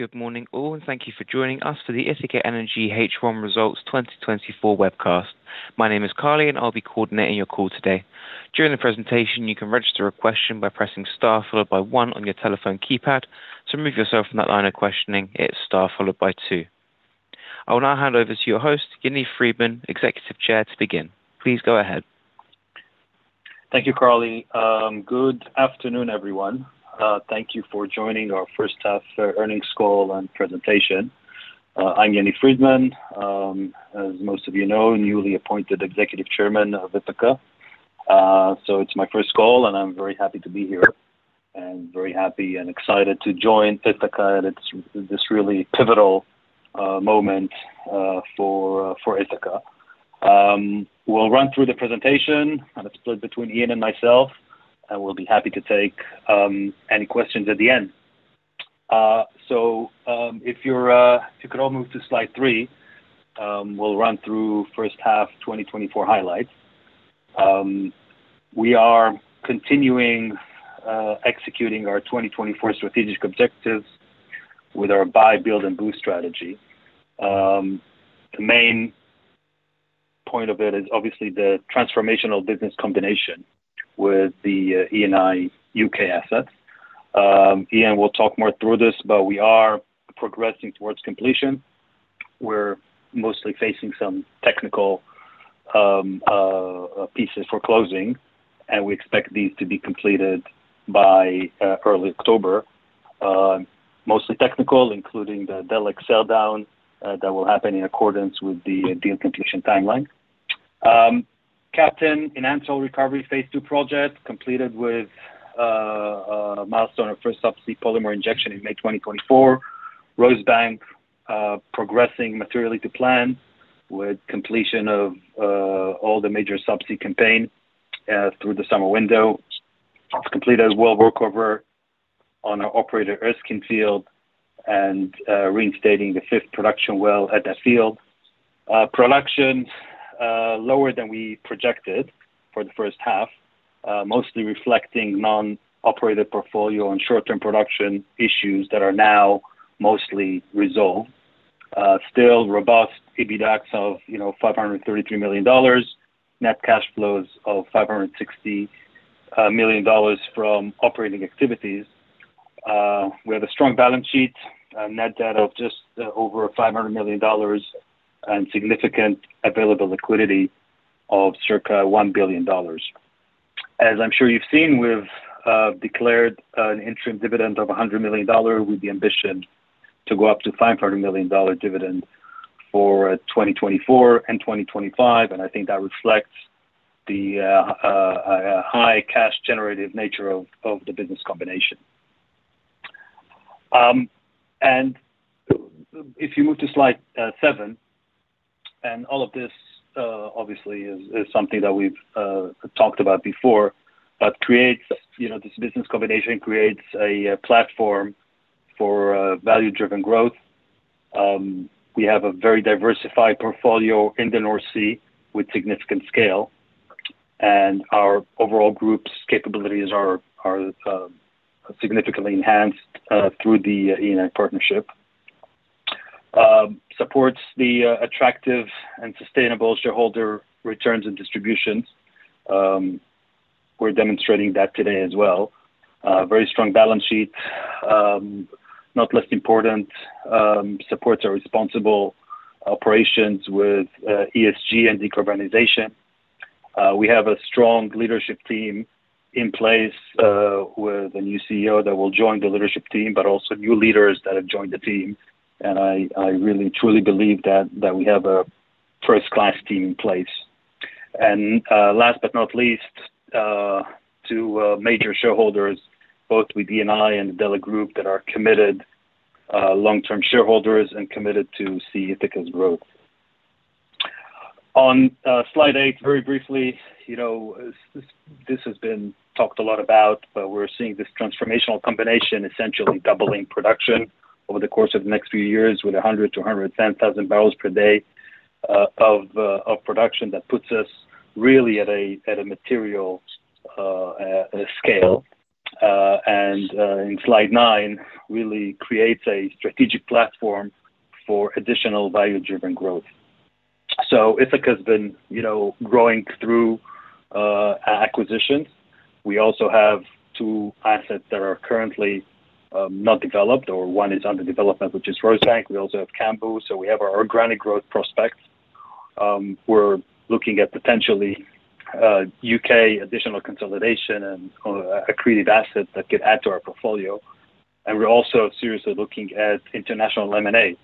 Good morning, all, and thank you for joining us for the Ithaca Energy First Half Results 2024 Webcast. My name is Carly, and I'll be coordinating your call today. During the presentation, you can register a question by pressing star followed by one on your telephone keypad. To remove yourself from that line of questioning, hit star followed by two. I will now hand over to your host, Yaniv Friedman, Executive Chairman, to begin. Please go ahead. Thank you, Carly. Good afternoon, everyone. Thank you for joining our first half earnings call and presentation. I'm Yaniv Friedman, as most of you know, newly appointed Executive Chairman of Ithaca. So it's my first call, and I'm very happy to be here and very happy and excited to join Ithaca, and it's this really pivotal moment for for Ithaca. We'll run through the presentation, and it's split between Iain and myself, and we'll be happy to take any questions at the end. So, if you're could all move to slide three, we'll run through first half 2024 highlights. We are continuing executing our 2024 strategic objectives with our buy, build, and boost strategy. The main point of it is obviously the transformational business combination with the Eni U.K. assets. Iain will talk more through this, but we are progressing towards completion. We're mostly facing some technical pieces for closing, and we expect these to be completed by early October. Mostly technical, including the Delek sell down that will happen in accordance with the deal completion timeline. Captain Enhanced Oil Recovery phase II project completed with a milestone of first subsea polymer injection in May 2024. Rosebank progressing materially to plan with completion of all the major subsea campaign through the summer window. Completed as well, workover on our operated Erskine field and reinstating the fifth production well at that field. Production lower than we projected for the first half, mostly reflecting non-operated portfolio on short-term production issues that are now mostly resolved. Still robust EBITDA of, you know, $533 million, net cash flows of $560 million from operating activities. We have a strong balance sheet, a net debt of just over $500 million and significant available liquidity of circa $1 billion. As I'm sure you've seen, we've declared an interim dividend of $100 million, with the ambition to go up to $500 million dollar dividend for 2024 and 2025, and I think that reflects the high cash generative nature of the business combination. And if you move to slide seven, and all of this obviously is something that we've talked about before, but creates... You know, this business combination creates a platform for value-driven growth. We have a very diversified portfolio in the North Sea with significant scale, and our overall group's capabilities are are significantly enhanced through the Eni partnership. Supports the attractive and sustainable shareholder returns and distributions. We're demonstrating that today as well. Very strong balance sheet, not less important, supports our responsible operations with ESG and decarbonization. We have a strong leadership team in place, with a new CEO that will join the leadership team, but also new leaders that have joined the team, and I I really truly believe that we we have a first-class team in place. And last but not least, two major shareholders, both with Eni and the Delek Group, that are committed long-term shareholders and committed to see Ithaca's growth. On slide eight, very briefly, you know, this has been talked a lot about, but we're seeing this transformational combination, essentially doubling production over the course of the next few years, with 100 to 110 thousand barrels per day of production. That puts us really at a material scale, and in slide nine, really creates a strategic platform for additional value-driven growth. So Ithaca has been, you know, growing through acquisitions. We also have two assets that are currently not developed, or one is under development, which is Rosebank. We also have Cambo, so we have our organic growth prospects. We're looking at potentially U.K. additional consolidation and accretive assets that could add to our portfolio, and we're also seriously looking at international M&A,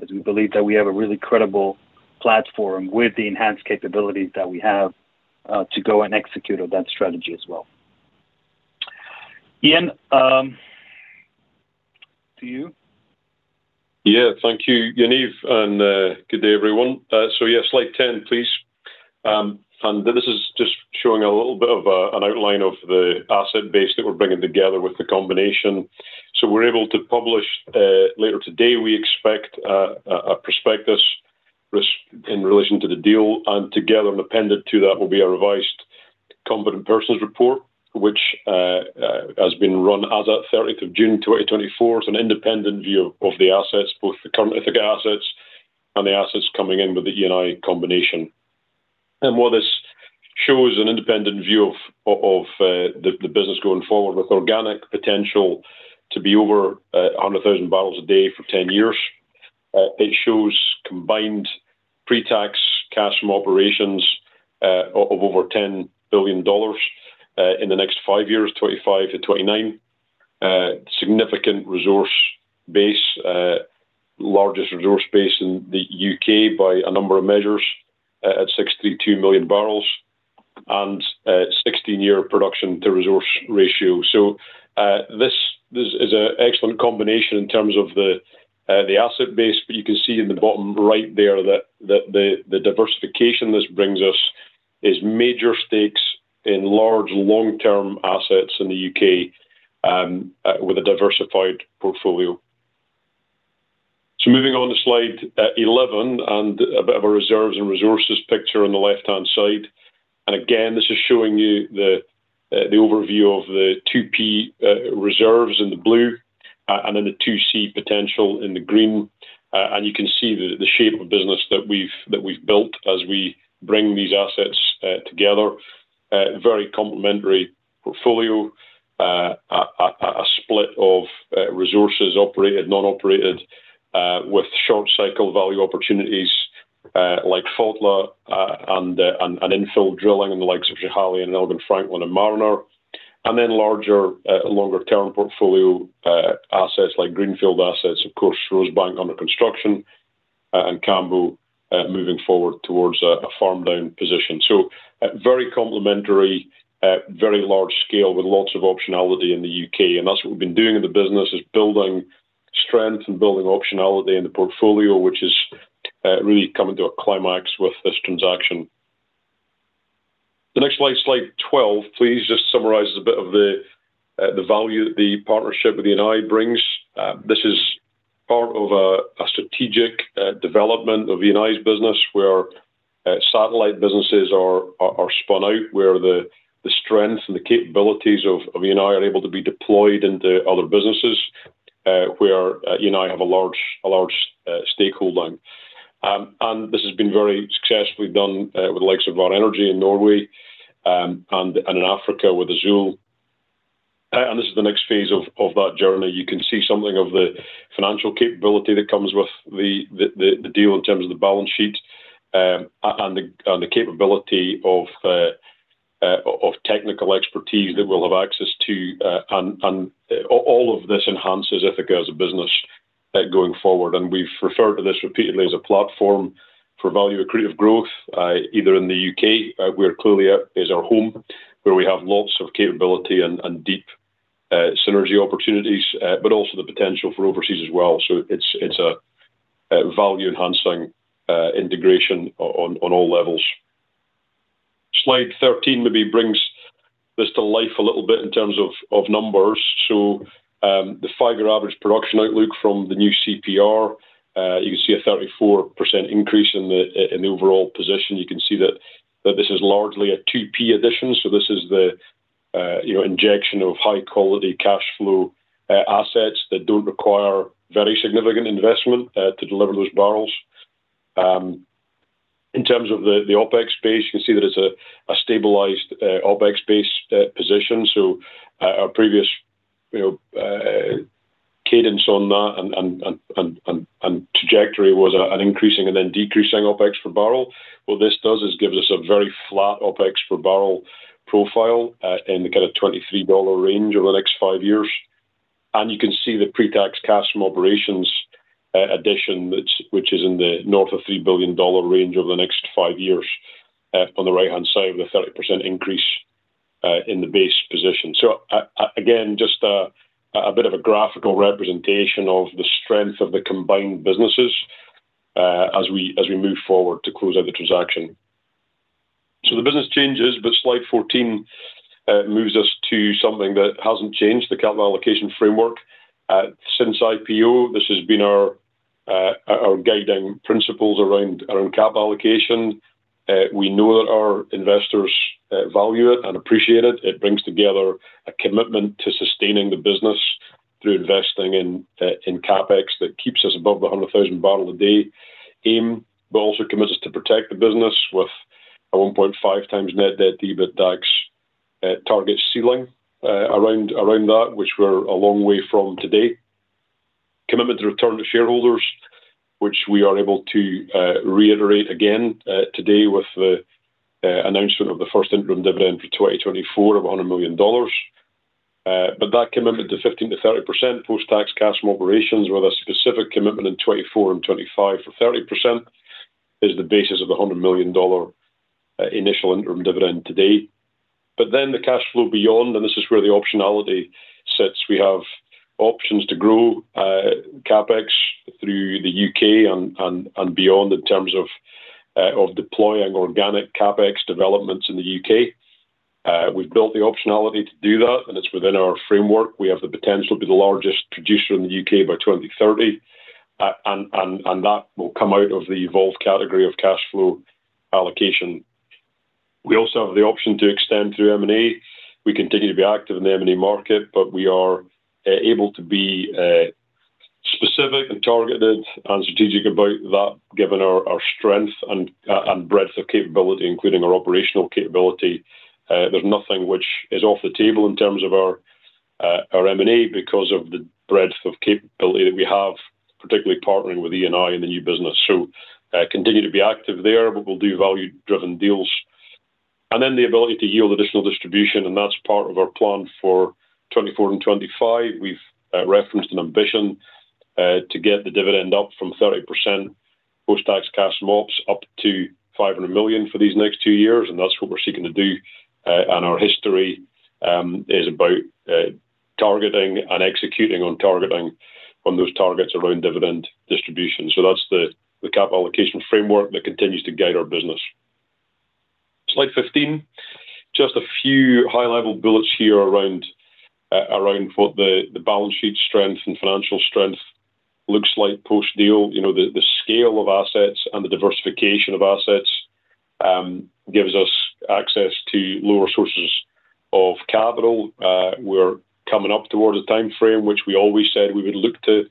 as we believe that we have a really credible platform with the enhanced capabilities that we have to go and execute on that strategy as well. Iain, to you. Yeah. Thank you, Yaniv, and good day, everyone. So, yeah, slide 10, please. And this is just showing a little bit of an outline of the asset base that we're bringing together with the combination. So we're able to publish later today. We expect a prospectus RNS in relation to the deal, and together, an appendix to that will be a revised-... Competent Persons Report, which has been run as at June 13th, 2024. It's an independent view of the assets, both the current Ithaca assets and the assets coming in with the Eni combination. And while this shows an independent view of the business going forward with organic potential to be over 100,000 barrels a day for 10 years, it shows combined pre-tax cash from operations of over $10 billion in the next five years, 2025 to 2029. Significant resource base, largest resource base in the U.K. by a number of measures, at 62 million barrels, and 16-year production to resource ratio. So, this this is an excellent combination in terms of the asset base, but you can see in the bottom right there, that that the diversification this brings us is major stakes in large, long-term assets in the U.K., with a diversified portfolio. So moving on to slide 11, and a bit of a reserves and resources picture on the left-hand side. And again, this is showing you the the overview of the 2P reserves in the blue, and then the 2C potential in the green. And you can see the shape of business that we've that we've built as we bring these assets together. Very complementary portfolio, a split of resources operated, non-operated, with short cycle value opportunities, like Fotla, and and infill drilling in the likes of Jade and Elgin-Franklin and Mariner. And then larger, longer term portfolio, assets like greenfield assets, of course, Rosebank under construction, and Cambo, moving forward towards a farm down position. So, very complementary, very large scale with lots of optionality in the U.K., and that's what we've been doing in the business, is building strength and building optionality in the portfolio, which is really coming to a climax with this transaction. The next slide, slide 12, please, just summarizes a bit of the value that the partnership with Eni brings. This is part of a strategic development of Eni's business, where satellite businesses are spun out, where the strength and the capabilities of Eni are able to be deployed into other businesses, where Eni have a large stake in. And and this has been very successfully done with the likes of Vår Energi in Norway, and in Africa with Azule. And this is the next phase of that journey. You can see something of the financial capability that comes with the deal in terms of the balance sheet and the capability of technical expertise that we'll have access to. And and all of this enhances Ithaca as a business, going forward, and we've referred to this repeatedly as a platform for value accretive growth, either in the U.K., where clearly is our home, where we have lots of capability and deep synergy opportunities, but also the potential for overseas as well. So it's a value-enhancing integration on all levels. Slide 13 maybe brings this to life a little bit in terms of numbers. So the five-year average production outlook from the new CPR, you can see a 34% increase in the overall position. You can see that this is largely a 2P addition. This is the, you know, injection of high-quality cash flow assets that don't require very significant investment to deliver those barrels. In terms of the OpEx base, you can see that it's a stabilized OpEx base position. So our previous, you know, cadence on that and trajectory was an increasing and then decreasing OpEx for barrel. What this does is gives us a very flat OpEx for barrel profile in the kind of $23 range over the next five years. And you can see the pre-tax cash from operations addition, which is in the north of $3 billion range over the next five years on the right-hand side, with a 30% increase in the base position. So again, just a bit of a graphical representation of the strength of the combined businesses, as we as we move forward to close out the transaction. So the business changes, but slide fourteen moves us to something that hasn't changed, the capital allocation framework. Since IPO, this has been our guiding principles around capital allocation. We know that our investors value it and appreciate it. It brings together a commitment to sustaining the business through investing in CapEx that keeps us above the 100,000 barrel a day aim, but also commits us to protect the business with a 1.5x net debt, EBITDA target ceiling around that, which we're a long way from today. Commitment to return to shareholders, which we are able to reiterate again today with the announcement of the first interim dividend for 2024 of $100 million. But that commitment to 15%-30% post-tax cash from operations, with a specific commitment in 2024 and 2025 for 30%, is the basis of the $100 million initial interim dividend today. But then the cash flow beyond, and this is where the optionality sits, we have options to grow CapEx through the U.K. and beyond, in terms of deploying organic CapEx developments in the U.K.. We've built the optionality to do that, and it's within our framework. We have the potential to be the largest producer in the U.K. by 2030.... And and that will come out of the evolved category of cash flow allocation. We also have the option to extend through M&A. We continue to be active in the M&A market, but we are able to be specific and targeted and strategic about that, given our strength and breadth of capability, including our operational capability. There's nothing which is off the table in terms of our M&A because of the breadth of capability that we have, particularly partnering with Eni in the new business. So, continue to be active there, but we'll do value-driven deals. And then, the ability to yield additional distribution, and that's part of our plan for 2024 and 2025. We've referenced an ambition to get the dividend up from 30% post-tax cash MOPS up to 500 million for these next two years, and that's what we're seeking to do. And our history is about targeting and executing on those targets around dividend distribution. So that's the capital allocation framework that continues to guide our business. Slide 15. Just a few high-level bullets here around what the balance sheet strength and financial strength looks like post-deal. You know, the scale of assets and the diversification of assets gives us access to lower sources of capital. We're coming up towards a timeframe, which we always said we would look to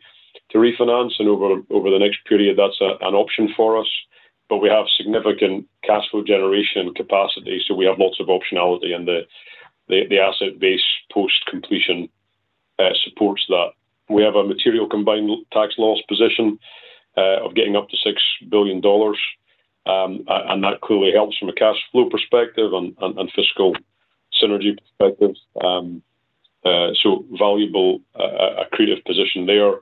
refinance, and over the next period, that's an option for us. But we have significant cash flow generation capacity, so we have lots of optionality, and the asset base post-completion supports that. We have a material combined tax loss position of getting up to $6 billion, and that clearly helps from a cash flow perspective and fiscal synergy perspective. So valuable, a accretive position there.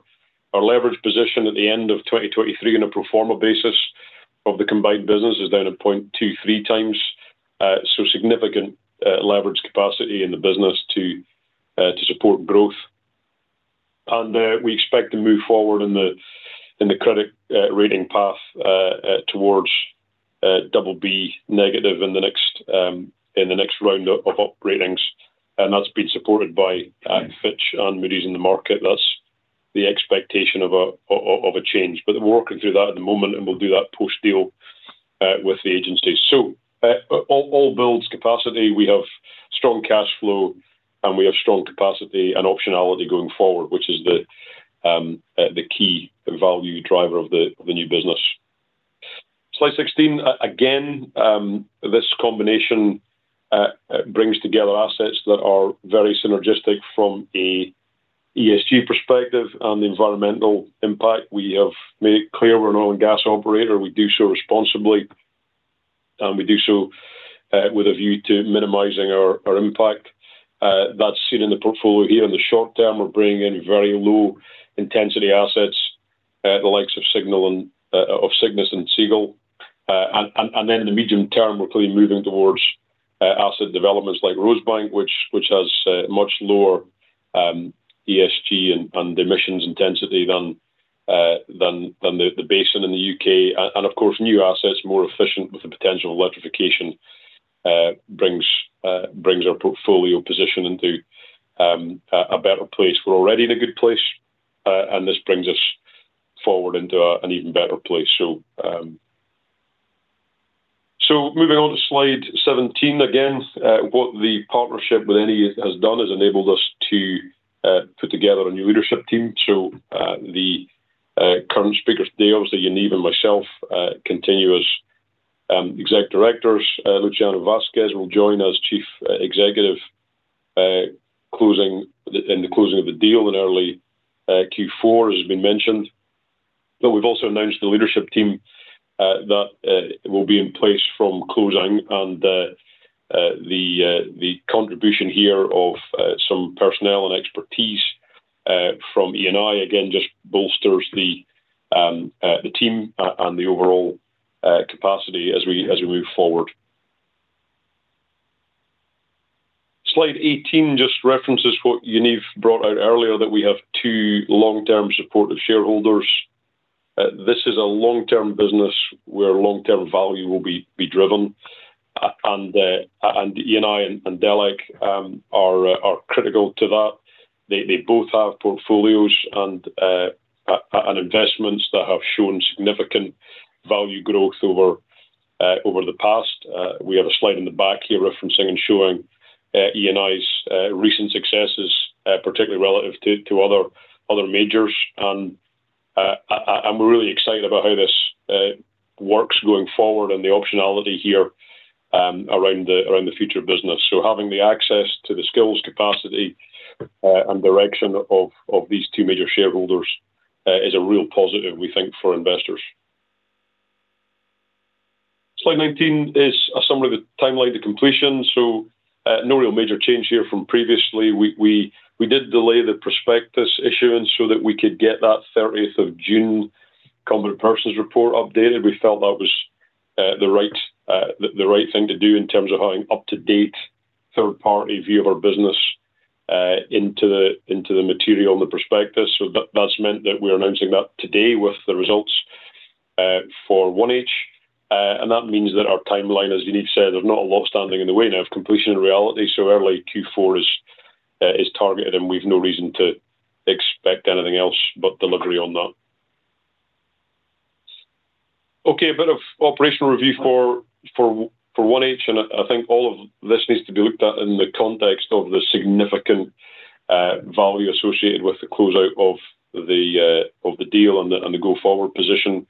Our leverage position at the end of 2023 on a pro forma basis of the combined business is down to 0.23x. So significant leverage capacity in the business to support growth. And we expect to move forward in the credit rating path towards BB- in the next in the next round of up ratings. And that's been supported by Fitch and Moody's in the market. That's the expectation of a change. But we're working through that at the moment, and we'll do that post-deal with the agencies. So all builds capacity. We have strong cash flow, and we have strong capacity and optionality going forward, which is the key value driver of the new business. Slide 16. Again, this combination brings together assets that are very synergistic from a ESG perspective and the environmental impact. We have made it clear we're an oil and gas operator. We do so responsibly, and we do so with a view to minimizing our impact. That's seen in the portfolio here. In the short term, we're bringing in very low-intensity assets, the likes of Signal and of Cygnus and Seagull, and then in the medium term, we're clearly moving towards asset developments like Rosebank, which has much lower ESG and emissions intensity than than the basin in the U.K. And of course, new assets, more efficient, with the potential of electrification, brings brings our portfolio position into a better place. We're already in a good place, and this brings us forward into an even better place. So moving on to Slide 17. Again, what the partnership with Eni has done is enabled us to put together a new leadership team. So the current speakers today, obviously, Yaniv and myself, continue as exec directors. Luciano Vasques will join as Chief Executive closing in the closing of the deal in early Q4, as has been mentioned. But we've also announced the leadership team that will be in place from closing, and the contribution here of some personnel and expertise from Eni, again, just bolsters the team and the overall capacity as we as we move forward. Slide 18 just references what Yaniv brought out earlier, that we have two long-term supportive shareholders. This is a long-term business, where long-term value will be driven. And Eni and Delek are critical to that. They both have portfolios and investments that have shown significant value growth over the past. We have a slide in the back here referencing and showing Eni's recent successes, particularly relative to other majors. I'm really excited about how this works going forward and the optionality here around the future of business. So having the access to the skills, capacity, and direction of these two major shareholders is a real positive, we think, for investors. Slide 19 is a summary of the timeline to completion, so no real major change here from previously. We did delay the prospectus issuance so that we could get that June 13th competent person's report updated. We felt that was the right thing to do in terms of having up-to-date, third-party view of our business into the into the material and the prospectus. So that's meant that we're announcing that today with the results for 1H. And that means that our timeline, as Yaniv said, there's not a lot standing in the way now of completion in reality, so early Q4 is targeted, and we've no reason to expect anything else but delivery on that. Okay, a bit of operational review for 1H, and I think all of this needs to be looked at in the context of the significant value associated with the closeout of the deal and the go-forward position.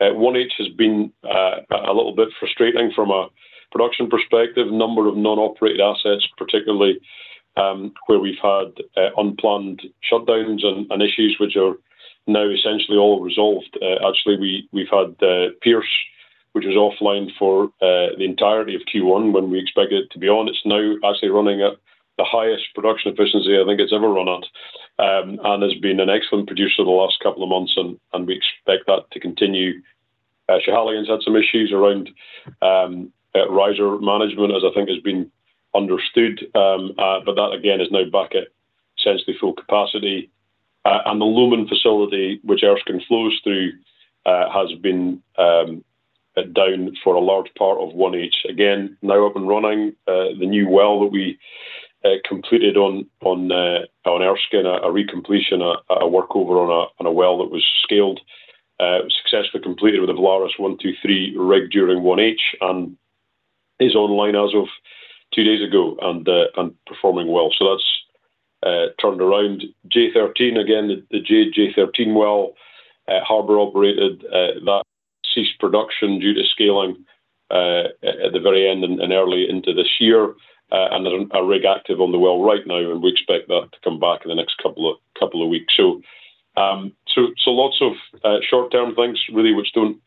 1H has been a little bit frustrating from a production perspective. Number of non-operated assets, particularly, where we've had unplanned shutdowns and issues which are now essentially all resolved. Actually, we've had Pierce, which was offline for the entirety of Q1 when we expected it to be on. It's now actually running at the highest production efficiency I think it's ever run at, and has been an excellent producer the last couple of months, and we expect that to continue. Schiehallion's had some issues around riser management, as I think has been understood. But that, again, is now back at essentially full capacity. And the Lomond facility, which Erskine flows through, has been down for a large part of 1H. Again, now up and running. The new well that we completed on Erskine, a recompletion, a workover on a well that was scaled, was successfully completed with the Valaris 123 rig during 1H and is online as of two days ago and performing well. So that's turned around. J-13, again, the J-13 well, Harbour operated, that ceased production due to scaling at the very end and early into this year, and there's a rig active on the well right now, and we expect that to come back in the next couple of couple of weeks. So lots of short-term things really, which don't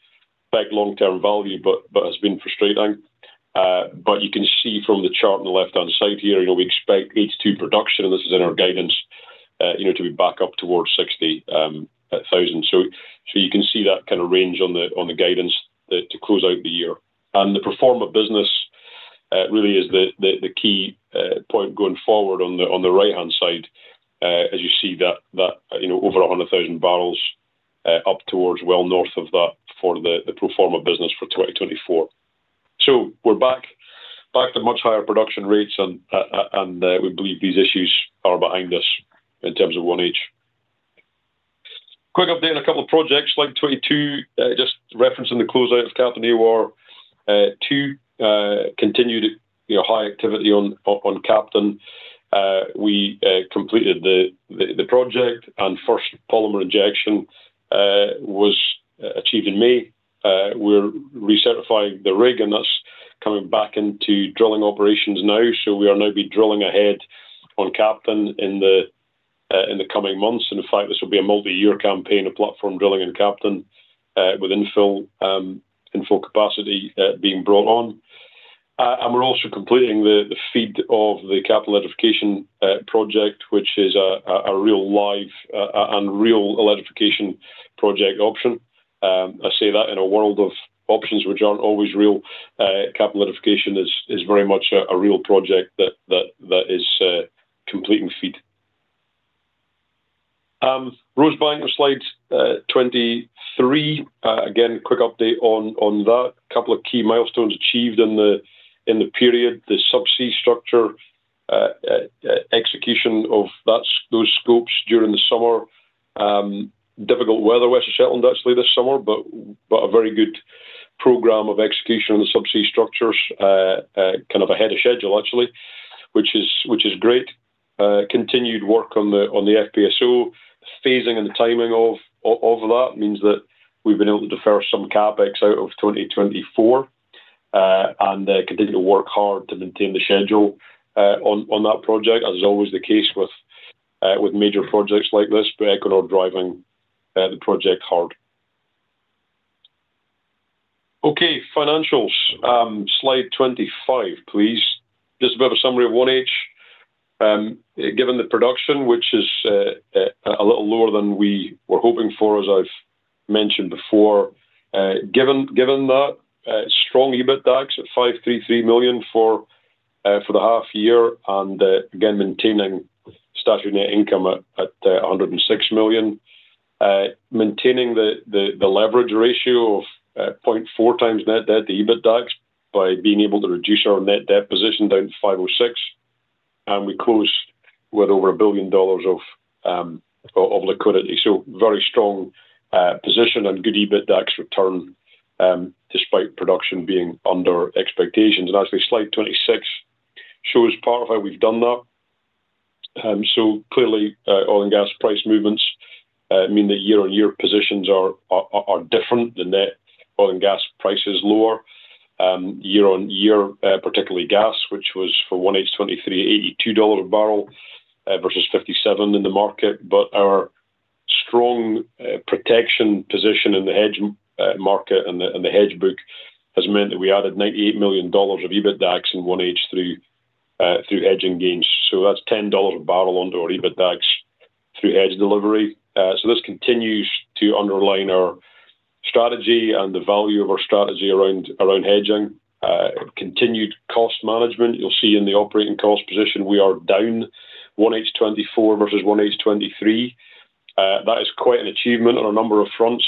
affect long-term value but has been frustrating. But you can see from the chart on the left-hand side here, you know, we expect H2 production, and this is in our guidance, you know, to be back up towards 60,000. So you can see that kind of range on the guidance to close out the year. And the pro forma business really is the key point going forward on the right-hand side. As you see that, you know, over 100,000 barrels up towards well north of that for the pro forma business for 2024. So we're back to much higher production rates, and we believe these issues are behind us in terms of 1H. Quick update on a couple of projects. Slide 22 just referencing the closeout of Captain EOR. Too continued, you know, high activity on Captain. We completed the project, and first polymer injection was achieved in May. We're recertifying the rig, and that's coming back into drilling operations now. So we are now be drilling ahead on Captain in the coming months. And in fact, this will be a multiyear campaign of platform drilling in Captain with infill in full capacity being brought on. And we're also completing the FEED of the Captain Electrification Project, which is a real live and real electrification project option. I say that in a world of options which aren't always real, Captain Electrification is very much a real project that is completing FEED. Rosebank on slide 23. Again, quick update on that. Couple of key milestones achieved in the period. The subsea structure execution of those scopes during the summer, difficult weather West of Shetland actually this summer, but a very good program of execution on the subsea structures, kind of ahead of schedule, actually, which is great. Continued work on the FPSO. Phasing and the timing of that means that we've been able to defer some CapEx out of 2024, and continue to work hard to maintain the schedule on that project. As is always the case with major projects like this, but Equinor driving the project hard. Okay, financials. Slide 25, please. Just a bit of a summary of 1H. Given the production, which is a little lower than we were hoping for, as I've mentioned before, given that, strong EBITDA at $533 million for the half year, and again, maintaining statutory net income at $106 million. Maintaining the leverage ratio of 0.4x net debt to EBITDA by being able to reduce our net debt position down to $506 million. We closed with over $1 billion of liquidity. So very strong position and good EBITDA return despite production being under expectations. Actually, slide 26 shows part of how we've done that. So clearly, oil and gas price movements mean the year-on-year positions are different. The net oil and gas price is lower, year on year, particularly gas, which was for 1H 2023, $82 a barrel, versus $57 in the market. But our strong protection position in the hedge market and the hedge book has meant that we added $98 million of EBITDA in 1H through through hedging gains. So that's $10 a barrel on to our EBITDA through hedge delivery. So this continues to underline our strategy and the value of our strategy around hedging. Continued cost management. You'll see in the operating cost position, we are down 1H 2024 versus 1H 2023. That is quite an achievement on a number of fronts.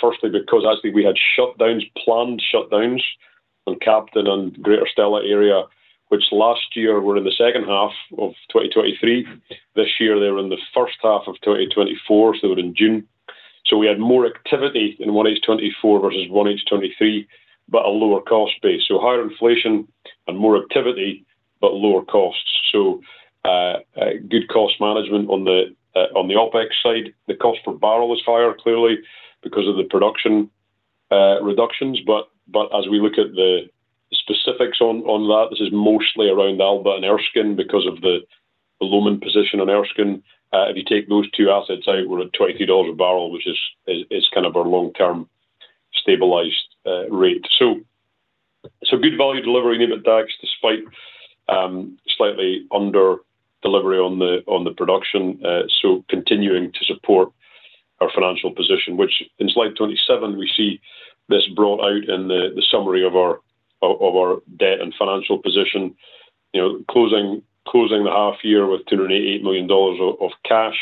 Firstly, because actually we had shutdowns, planned shutdowns on Captain and Greater Stella Area, which last year were in the H2 of 2023. This year, they were in the H1 of 2024, so they were in June. We had more activity in 1H 2024 versus 1H 2023, but a lower cost base. So higher inflation and more activity, but lower costs. Good cost management on the OpEx side. The cost per barrel is higher, clearly, because of the production reductions, but as we look at the specifics on that, this is mostly around Alba and Erskine, because of the Lomond position on Erskine. If you take those two assets out, we're at $22 a barrel, which is kind of our long-term stabilized rate. So good value delivery in EBITDAX, despite slightly under delivery on the production. So continuing to support our financial position, which in slide 27 we see this brought out in the summary of our debt and financial position. You know, closing the half year with $288 million of cash.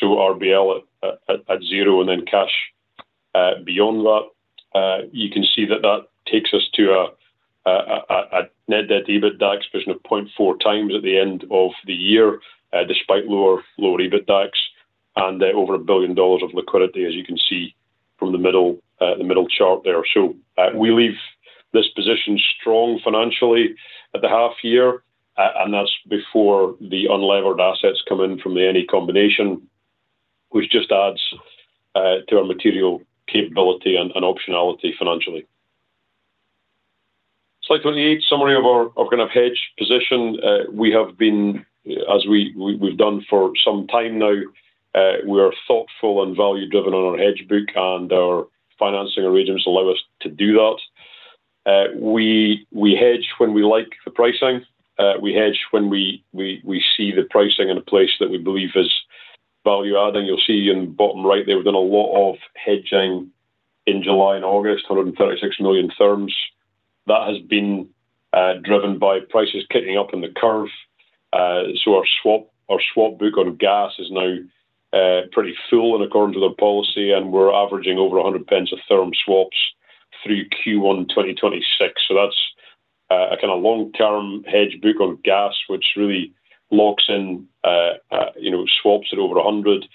So RBL at zero and then cash beyond that. You can see that takes us to a net debt EBITDAX position of 0.4x at the end of the year, despite lower EBITDAX and over $1 billion of liquidity, as you can see from the middle chart there. So, we leave this position strong financially at the half year, and that's before the unlevered assets come in from the Eni combination, which just adds to our material capability and optionality financially. Slide 28, summary of our hedge position. We have been, as we've done for some time now, we are thoughtful and value driven on our hedge book, and our financing arrangements allow us to do that. We hedge when we like the pricing. We hedge when we see the pricing in a place that we believe is value-adding. You'll see in the bottom right there, we've done a lot of hedging in July and August, 136 million therms. That has been driven by prices kicking up in the curve. So our swap book on gas is now pretty full and according to the policy, and we're averaging over 1.00 per therm swaps through Q1 2026. So that's a kinda long term hedge book on gas, which really locks in, you know, swaps at over 100.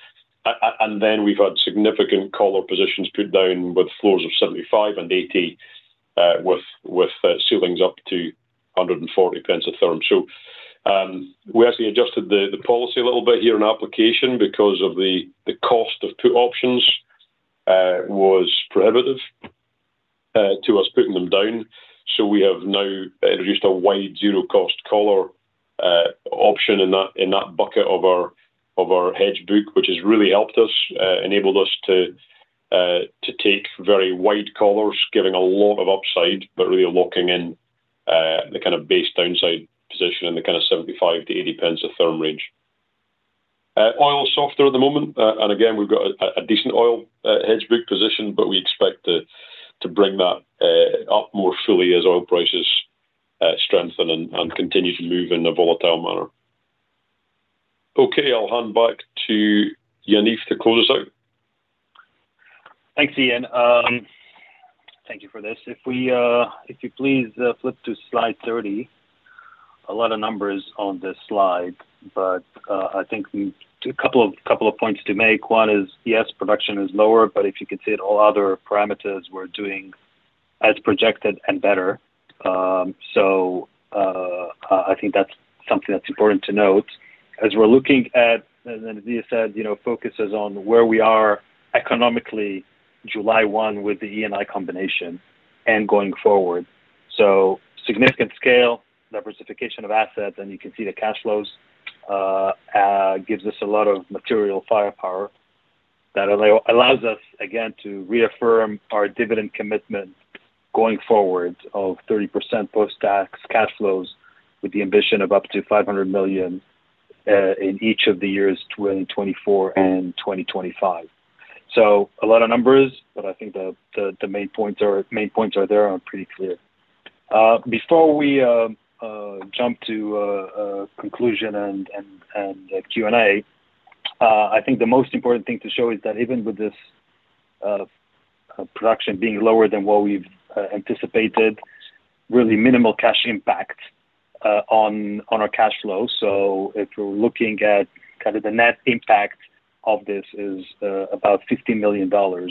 And then we've had significant collar positions put down with floors of 75 and 80, with ceilings up to 1.40 per therm. So, we actually adjusted the policy a little bit here in application because of the cost of put options was prohibitive to us putting them down. So we have now introduced a wide zero cost collar option in that bucket of our hedge book, which has really helped us enabled us to take very wide collars, giving a lot of upside, but really locking in the kind of base downside position in the kind of 0.75-0.80 a therm range. Oil is softer at the moment, and again, we've got a decent oil hedge book position, but we expect to bring that up more fully as oil prices strengthen and continue to move in a volatile manner. Okay, I'll hand back to Yaniv to close us out. Thanks, Iain. Thank you for this. If you please, flip to slide 30. A lot of numbers on this slide, but I think we... A couple of points to make. One is, yes, production is lower, but if you can see it, all other parameters we're doing as projected and better. So, I think that's something that's important to note. As we're looking at, as Iain said, you know, focuses on where we are economically, July 1st with the Eni combination and going forward. So significant scale, diversification of assets, and you can see the cash flows gives us a lot of material firepower. That allows us, again, to reaffirm our dividend commitment going forward of 30% post-tax cash flows, with the ambition of up to $500 million in each of the years 2024 and 2025. So a lot of numbers, but I think the main points are there and pretty clear. Before we jump to conclusion and Q&A, I think the most important thing to show is that even with this production being lower than what we've anticipated, really minimal cash impact on our cash flow. So if we're looking at kind of the net impact of this is about $50 million, from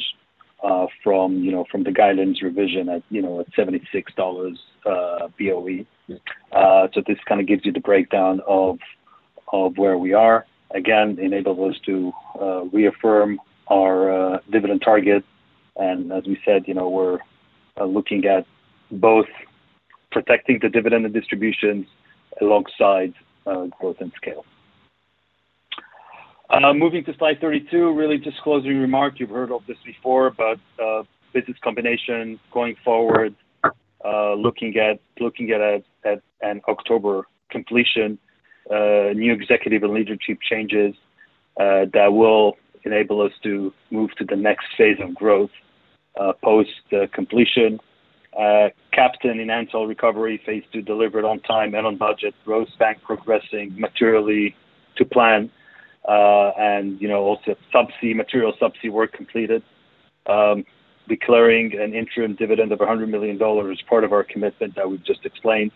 you know, from the guidelines revision at you know, at $76 BOE. So this kind of gives you the breakdown of where we are. Again, enables us to reaffirm our dividend target. And as we said, you know, we're looking at both protecting the dividend and distributions alongside growth and scale. Moving to slide 32, really just closing remarks. You've heard of this before, but business combination going forward, looking at looking at an October completion, new executive and leadership changes that will enable us to move to the next phase of growth post the completion. Captain enhanced recovery phase two delivered on time and on budget. Rosebank progressing materially to plan, and, you know, also subsea, material subsea work completed. Declaring an interim dividend of $100 million is part of our commitment that we've just explained,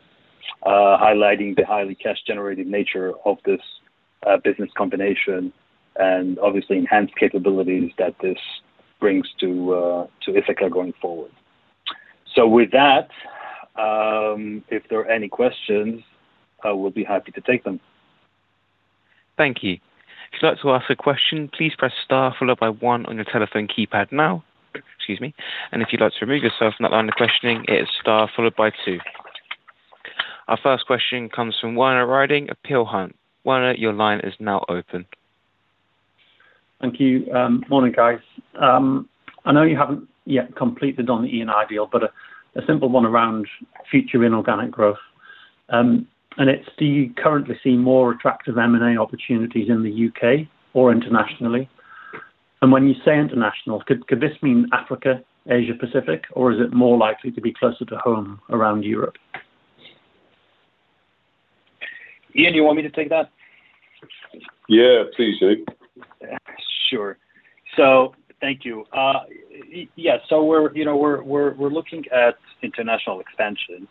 highlighting the highly cash-generating nature of this business combination and obviously enhanced capabilities that this brings to Ithaca going forward, so with that, if there are any questions, I will be happy to take them. Thank you. If you'd like to ask a question, please press star followed by one on your telephone keypad now. Excuse me, and if you'd like to remove yourself from that line of questioning, it is star followed by two. Our first question comes from Werner Riding of Peel Hunt. Werner, your line is now open. Thank you. Morning, guys. I know you haven't yet completed on the Eni deal, but a simple one around future inorganic growth. And it's, do you currently see more attractive M&A opportunities in the U.K. or internationally? And when you say international, could this mean Africa, Asia Pacific, or is it more likely to be closer to home around Europe? Iain, do you want me to take that? Yeah, please, Zeke. Sure. So thank you. So we're, you know, we're we're looking at international expansion.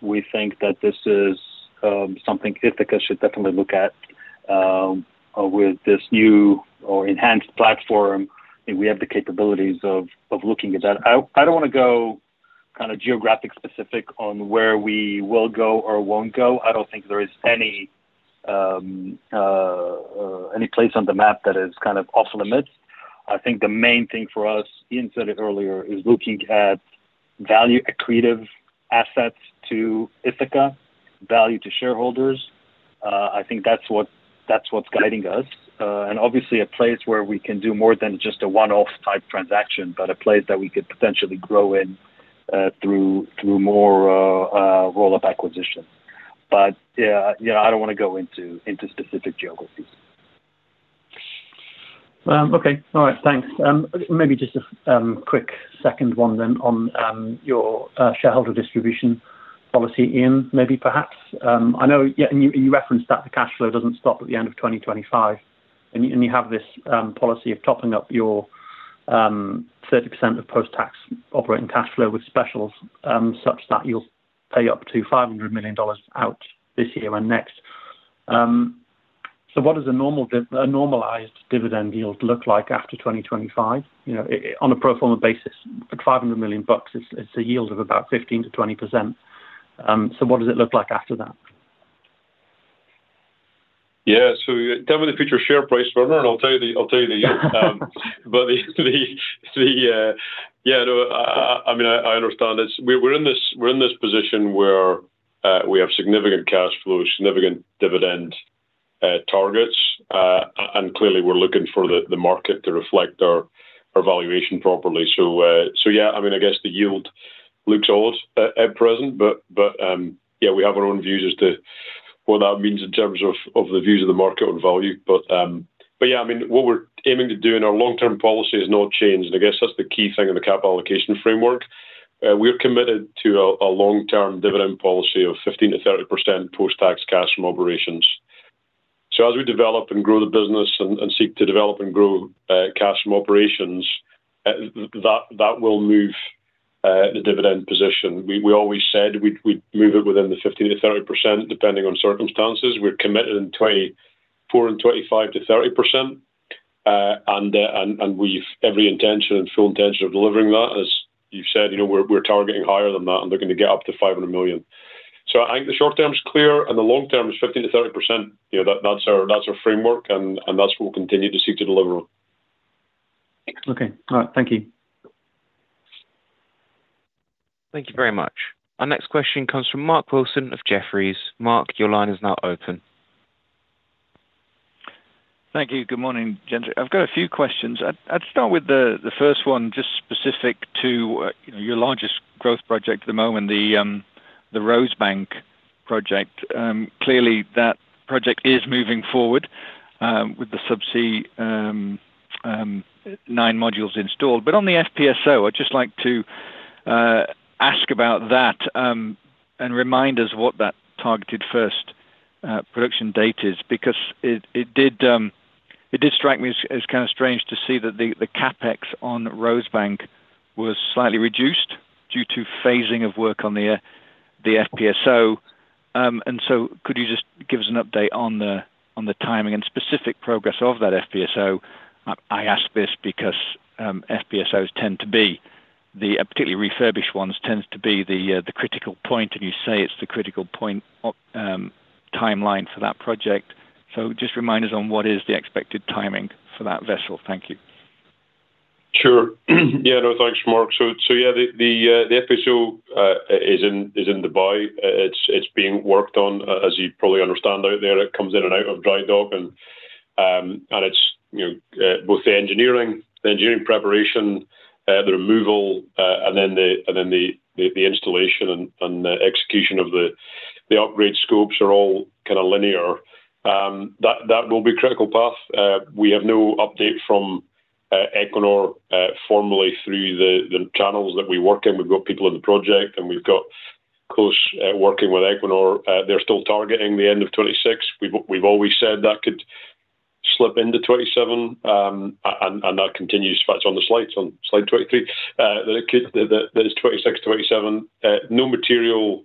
We think that this is something Ithaca should definitely look at, with this new or enhanced platform, and we have the capabilities of looking at that. I don't wanna go kind of geographic specific on where we will go or won't go. I don't think there is any any place on the map that is kind of off limits. I think the main thing for us, Iain said it earlier, is looking at value accretive assets to Ithaca, value to shareholders. I think that's what that's what's guiding us. And obviously, a place where we can do more than just a one-off type transaction, but a place that we could potentially grow in, through through more roll-up acquisition. But, yeah, yeah, I don't wanna go into specific geographies. Okay. All right, thanks. Maybe just a quick second one then on your shareholder distribution policy, Iain, maybe perhaps. I know, yeah, and you referenced that the cash flow doesn't stop at the end of 2025, and you have this policy of topping up your 30% of post-tax operating cash flow with specials, such that you'll pay up to $500 million out this year and next. So what does a normal dividend - a normalized dividend yield look like after 2025? You know, on a pro forma basis, at $500 million bucks, it's a yield of about 15%-20%. So what does it look like after that? Yeah, so tell me the future share price, Werner, and I'll tell you the yield. But yeah, no, I mean, I understand this. We're in this we're in this position where we have significant cash flow, significant dividend targets, and clearly, we're looking for the market to reflect our valuation properly. So yeah, I mean, I guess the yield looks odd at present, but yeah, we have our own views as to what that means in terms of the views of the market and value. But yeah, I mean, what we're aiming to do, and our long-term policy has not changed, and I guess that's the key thing in the capital allocation framework. We're committed to a long-term dividend policy of 15%-30% post-tax cash from operations. So as we develop and grow the business and seek to develop and grow cash from operations, that will move the dividend position. We always said we'd move it within the 15%-30%, depending on circumstances. We're committed in 2024 and 2025 to 30%, and we've every intention and full intention of delivering that. As you've said, you know, we're targeting higher than that and looking to get up to $500 million. So I think the short term is clear, and the long term is 15%-30%. You know, that's our that's our framework, and that's what we'll continue to seek to deliver on. Okay. All right, thank you. Thank you very much. Our next question comes from Mark Wilson of Jefferies. Mark, your line is now open. Thank you. Good morning, gents. I've got a few questions. I'd start with the first one, just specific to, you know, your largest growth project at the moment, the Rosebank project. Clearly, that project is moving forward with the subsea nine modules installed. But on the FPSO, I'd just like to ask about that and remind us what that targeted first production date is, because it did strike me as kind of strange to see that the CapEx on Rosebank was slightly reduced due to phasing of work on the FPSO, and so could you just give us an update on the timing and specific progress of that FPSO? I ask this because FPSOs tend to be the, particularly refurbished ones, tends to be the critical point, and you say it's the critical point, timeline for that project. So just remind us on what is the expected timing for that vessel. Thank you. Sure. Yeah, no, thanks, Mark. So, so yeah, the FPSO is in Dubai. It's being worked on. As you probably understand out there, it comes in and out of dry dock, and it's you know both the engineering, the engineering preparation, the removal, and then the, and then the installation and the execution of the upgrade scopes are all kind of linear. That will be critical path. We have no update from Equinor formally through the channels that we work in. We've got people on the project, and we've got close working with Equinor. They're still targeting the end of 2026. We've always said that could slip into 2027, and that continues, in fact, on the slides, on slide 23. That it could, that is 2026 to 2027. No material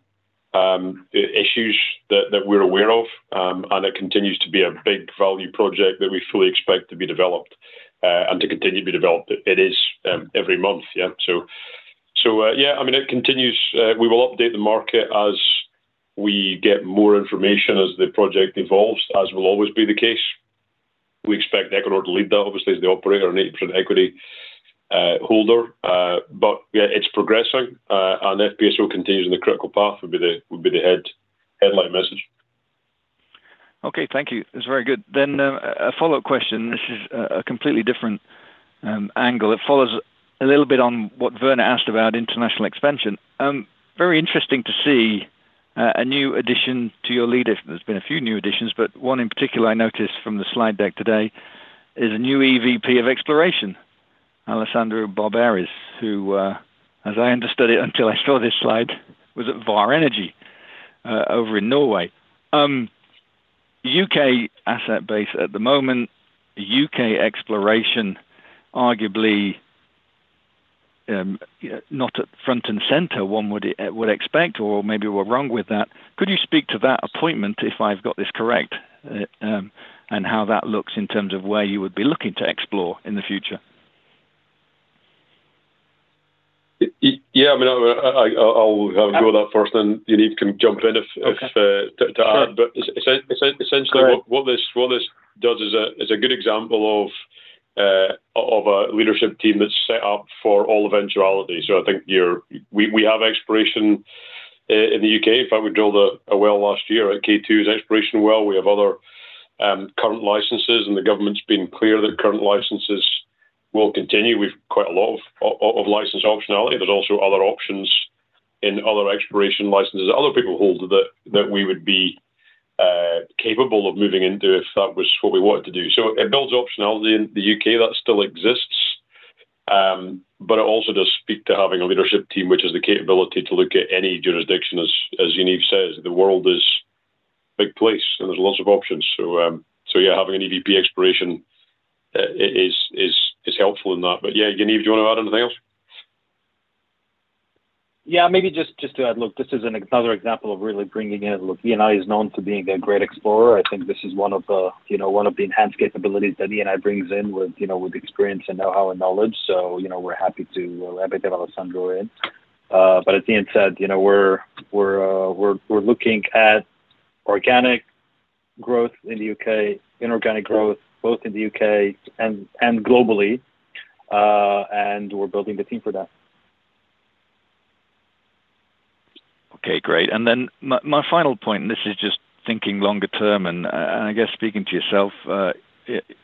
issues that we're aware of, and it continues to be a big value project that we fully expect to be developed and to continue to be developed. It is every month. Yeah, so, so, yeah, I mean, it continues. We will update the market as we get more information, as the project evolves, as will always be the case. We expect Equinor to lead that, obviously, as the operator and 8% equity holder. But, yeah, it's progressing, and FPSO continues on the critical path, would be the headline message. Okay, thank you. This is very good. Then a follow-up question. This is a completely different angle. It follows a little bit on what Werner asked about international expansion. Very interesting to see a new addition to your leadership. There's been a few new additions, but one in particular I noticed from the slide deck today, is a new EVP of exploration, Alessandro Barberis, who, as I understood it, until I saw this slide, was at Vår Energi over in Norway. U.K. asset base at the moment, U.K. exploration, arguably, not at front and center, one would expect, or maybe we're wrong with that. Could you speak to that appointment, if I've got this correct, and how that looks in terms of where you would be looking to explore in the future? Yeah, I mean, I'll go that first, then Yaniv can jump in if Okay. to add. Sure. But ess-ess-essentially, Sure... what this does is a good example of a leadership team that's set up for all eventualities. So I think we have exploration in the UK. In fact, we drilled a well last year at K2's exploration well. We have other current licenses, and the government's been clear that current licenses will continue. We've quite a lot of license optionality. There's also other options in other exploration licenses that other people hold that we would be capable of moving into if that was what we wanted to do. So it builds optionality in the U.K., that still exists. But it also does speak to having a leadership team, which has the capability to look at any jurisdiction. As Yaniv says, the world is a big place, and there's lots of options. Yeah, having an EVP exploration is helpful in that. But yeah, Yaniv, do you want to add anything else? Yeah, maybe just to add. Look, this is another example of really bringing in... Look, Eni is known for being a great explorer. I think this is one of the, you know, one of the enhanced capabilities that Eni brings in with, you know, with experience and know-how and knowledge. So, you know, we're happy to have Alessandro in. But as Iain said, you know, we're we're looking at organic growth in the U.K., inorganic growth, both in the U.K. and globally. And we're building the team for that. Okay, great. And then my final point, and this is just thinking longer term, and I guess speaking to yourself,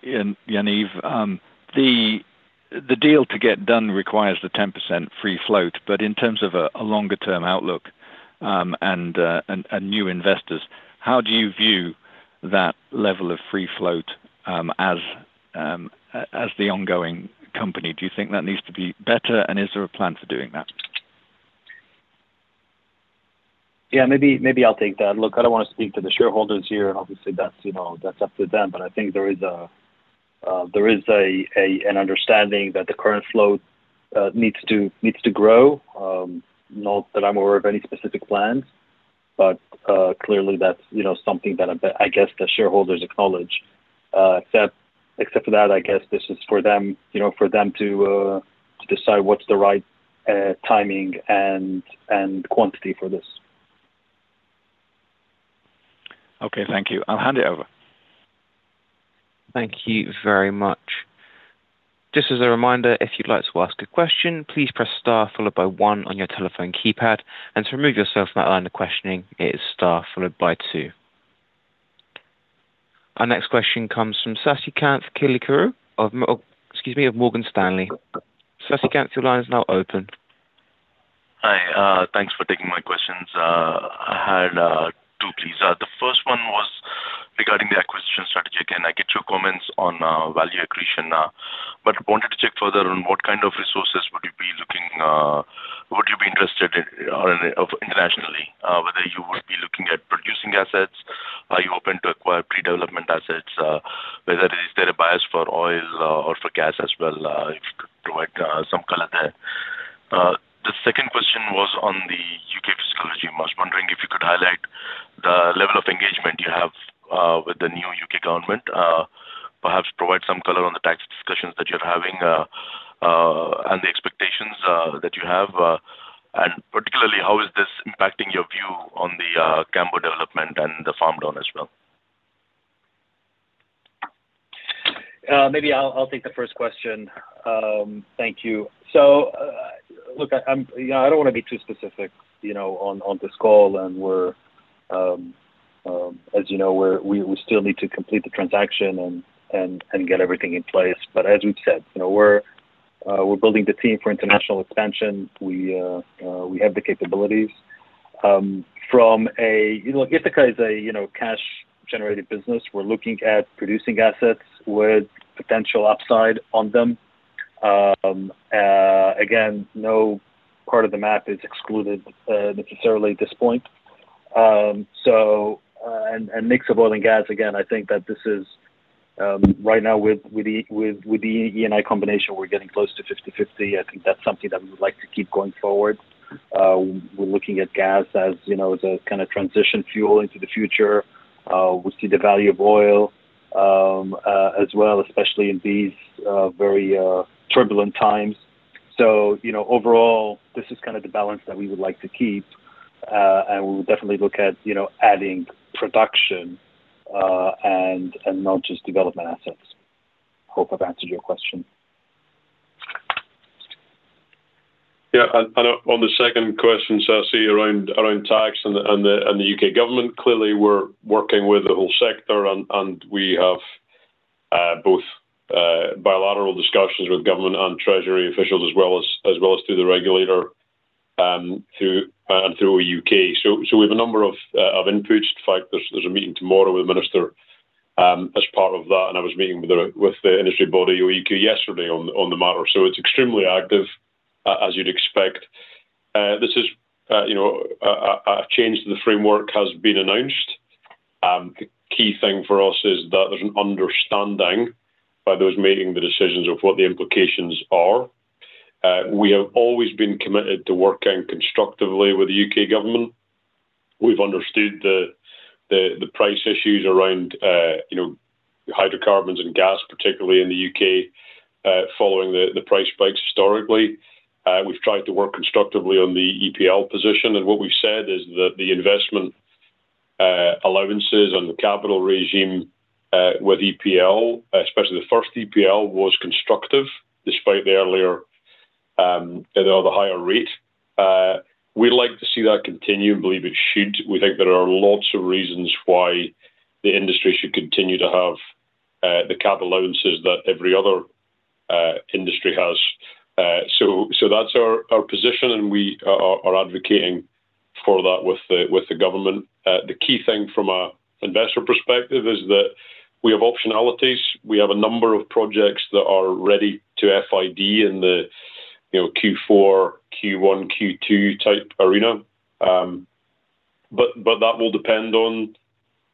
Yaniv, the deal to get done requires the 10% free float, but in terms of a longer-term outlook, and new investors, how do you view that level of free float, as the ongoing company? Do you think that needs to be better, and is there a plan for doing that? Yeah, maybe, maybe I'll take that. Look, I don't want to speak for the shareholders here. Obviously, that's, you know, that's up to them. But I think there is an there is an understanding that the current flow needs to needs to grow. Not that I'm aware of any specific plans, but clearly, that's, you know, something that I guess the shareholders acknowledge. Except for that, I guess this is for them, you know, for them to decide what's the right timing and quantity for this. Okay, thank you. I'll hand it over. Thank you very much. Just as a reminder, if you'd like to ask a question, please press star followed by one on your telephone keypad, and to remove yourself from that line of questioning, it is star followed by two. Our next question comes from Sasikanth Chilukuru of M- oh, excuse me, of Morgan Stanley. Sasikanth, your line is now open. Hi, thanks for taking my questions. I had two, please. The first one was regarding the acquisition strategy. Again, I get your comments on value accretion, but wanted to check further on what kind of resources would you be looking, would you be interested in, or of internationally, whether you would be looking at producing assets? Are you open to acquire pre-development assets? Whether is there a bias for oil, or for gas as well, if you could provide some color there. The second question was on the U.K. fiscal regime. I was wondering if you could highlight the level of engagement you have with the new U.K. government, perhaps provide some color on the tax discussions that you're having, and the expectations that you have, and particularly, how is this impacting your view on the Cambo development and the Rosebank as well? Maybe I'll take the first question. Thank you. So, look, you know, I don't want to be too specific, you know, on this call. And we're as you know, we're we still need to complete the transaction and get everything in place. But as we've said, you know, we're building the team for international expansion. We have the capabilities. Look, Ithaca is a, you know, cash-generating business. We're looking at producing assets with potential upside on them. Again, no part of the map is excluded, necessarily at this point. So, and mix of oil and gas, again, I think that this is, right now, with the Eni combination, we're getting close to 50/50. I think that's something that we would like to keep going forward. We're looking at gas, as you know, the kind of transition fuel into the future. We see the value of oil, as well, especially in these very turbulent times. So, you know, overall, this is kind of the balance that we would like to keep. And we'll definitely look at, you know, adding production, and not just development assets. Hope I've answered your question. Yeah, and on the second question, so issues around tax and the UK government, clearly, we're working with the whole sector, and we have both bilateral discussions with government and treasury officials, as well as through the regulator and through OEUK. So we have a number of inputs. In fact, there's a meeting tomorrow with the minister as part of that, and I was meeting with the industry body, OEUK, yesterday on the matter. So it's extremely active, as you'd expect. This is, you know, a change to the framework has been announced. The key thing for us is that there's an understanding by those making the decisions of what the implications are. We have always been committed to working constructively with the UK government. We've understood the price issues around, you know, hydrocarbons and gas, particularly in the U.K., following the price spikes historically. We've tried to work constructively on the EPL position, and what we've said is that the investment allowances on the capital regime with EPL, especially the first EPL, was constructive, despite the earlier, you know, the higher rate. We'd like to see that continue, and believe it should. We think there are lots of reasons why the industry should continue to have the cap allowances that every other industry has. So that's our position, and we are advocating for that with the government. The key thing from an investor perspective is that we have optionalities. We have a number of projects that are ready to FID in the, you know, Q4, Q1, Q2-type arena. But that will depend on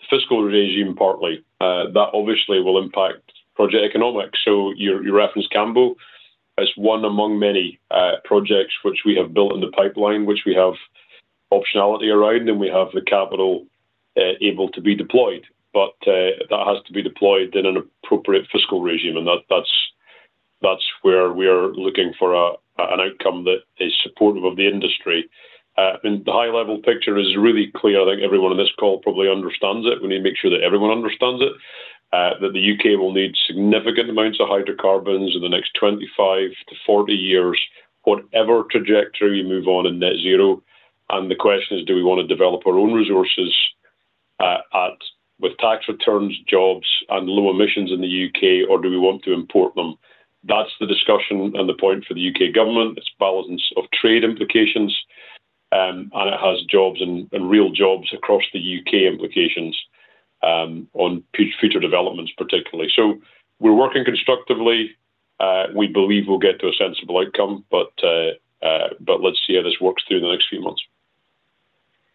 fiscal regime, partly. That obviously will impact project economics. So your reference Cambo, as one among many, projects which we have built in the pipeline, which we have optionality around, and we have the capital able to be deployed. But that has to be deployed in an appropriate fiscal regime, and that's where we are looking for an outcome that is supportive of the industry. And the high-level picture is really clear. I think everyone on this call probably understands it. We need to make sure that everyone understands it, that the U.K. will need significant amounts of hydrocarbons in the next twenty-five to forty years, whatever trajectory you move on in net zero. And the question is: Do we want to develop our own resources with tax returns, jobs, and low emissions in the U.K., or do we want to import them? That's the discussion and the point for the UK government. It's balance of trade implications, and it has jobs and real jobs across the U.K. implications on future developments, particularly. So we're working constructively. We believe we'll get to a sensible outcome, but let's see how this works through the next few months.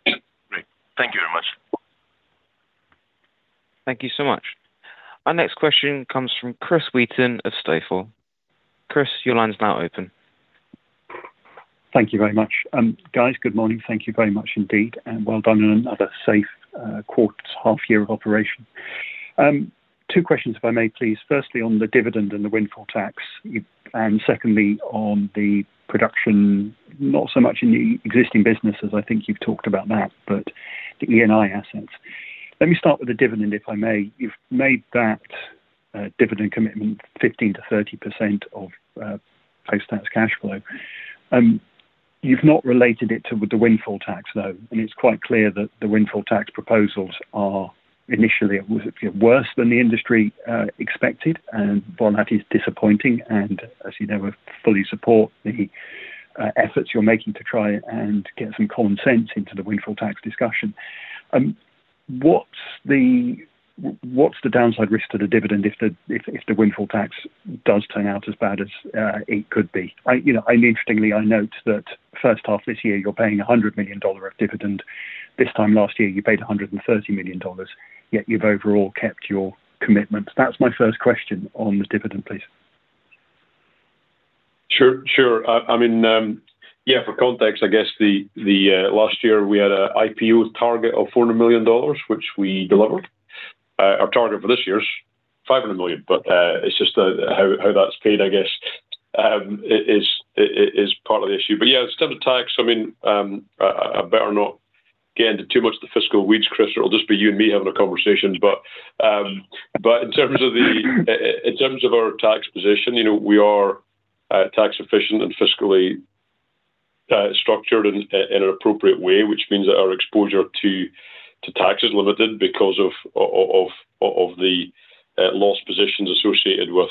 Great. Thank you very much. Thank you so much. Our next question comes from Chris Wheaton of Stifel. Chris, your line is now open. Thank you very much. Guys, good morning. Thank you very much indeed, and well done on another safe quarter, half year of operation. Two questions, if I may, please. Firstly, on the dividend and the windfall tax, you-- and secondly, on the production, not so much in the existing businesses, I think you've talked about that, but the Eni assets. Let me start with the dividend, if I may. You've made that dividend commitment 15%-30% of post-tax cash flow. You've not related it to the windfall tax, though, and it's quite clear that the windfall tax proposals are initially worse than the industry expected, and well, that is disappointing. And as you know, we fully support the efforts you're making to try and get some common sense into the windfall tax discussion. What's the downside risk to the dividend if the windfall tax does turn out as bad as it could be? You know, and interestingly, I note that first half this year, you're paying $100 million of dividend. This time last year, you paid $130 million, yet you've overall kept your commitments. That's my first question on the dividend, please. Sure, sure. I mean, yeah, for context, I guess the last year we had an IPO target of $400 million, which we delivered. Our target for this year is $500 million, but it's just how that's paid, I guess, is part of the issue. But yeah, in terms of tax, I mean, I better not get into too much of the fiscal weeds, Chris, or it'll just be you and me having a conversation. But in terms of our tax position, you know, we are tax efficient and fiscally... structured in an appropriate way, which means that our exposure to tax is limited because of the loss positions associated with